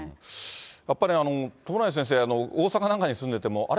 やっぱり友成先生、大阪なんかに住んでても、あれ？